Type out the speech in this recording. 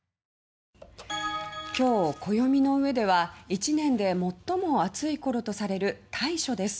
今日、暦の上では１年で最も暑い頃とされる「大暑」です。